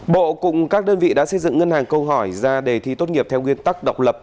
bộ cùng các đơn vị đã xây dựng ngân hàng câu hỏi ra đề thi tốt nghiệp theo nguyên tắc độc lập